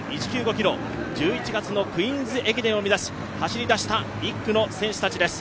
ｋｍ１１月の「クイーンズ駅伝」を目指し、走り出した１区の選手たちです。